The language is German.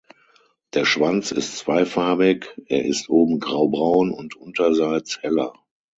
Der Schwanz ist zweifarbig, er ist oben graubraun und unterseits heller.